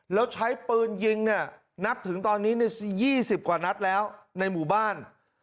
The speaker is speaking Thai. แล้วใช้ปืนยิงเนี่ยนับถึงตอนนี้๒๐กว่านัดแล้วในหมู่บ้าน